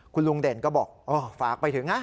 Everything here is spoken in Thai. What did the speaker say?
คุณลุงเด่นก็บอกฝากไปถึงนะ